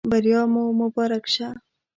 بریا مو مبارک شه.